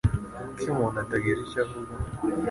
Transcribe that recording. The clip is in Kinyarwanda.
Kuki umuntu atagize icyo avuga?